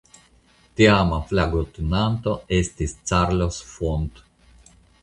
Teama flagotenanto estis "Carlos Font".